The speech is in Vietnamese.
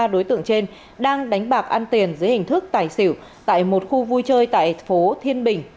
ba đối tượng trên đang đánh bạc ăn tiền dưới hình thức tài xỉu tại một khu vui chơi tại phố thiên bình